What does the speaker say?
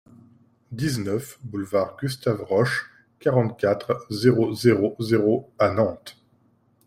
dix-neuf boulevard Gustave Roch, quarante-quatre, zéro zéro zéro à Nantes